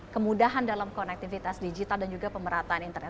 kemudahan dalam konektivitas digital dan juga pemerataan internet